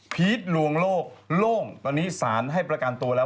ลวงโลกโล่งตอนนี้สารให้ประกันตัวแล้ว